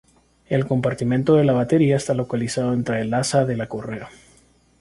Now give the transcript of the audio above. El compartimento de la batería está localizado entre el asa de la correa.